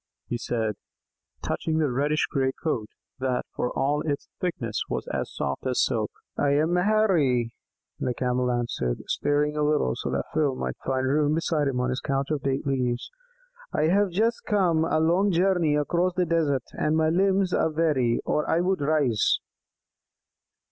he said, touching the reddish grey coat that for all its thickness was as soft as silk. "I am Maherry," the Camel answered, stirring a little so that Phil might find room beside him on his couch of date leaves. "I have just come a long journey across the desert, and my limbs are weary, or I would rise."